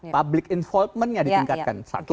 public involvement nya ditingkatkan satu